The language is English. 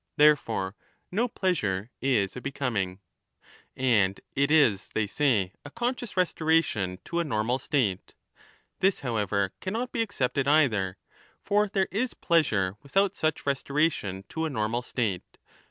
Therefore no pleasure is a becoming. And it is, they say, a conscious restoration to a normal state. (This, however, cannot be accepted either.) For there is pleasure without such restoration to a normal state.